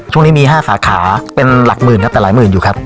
ช่วงนี้มี๕สาขาเป็นหลักหมื่นครับแต่หลายหมื่นอยู่ครับ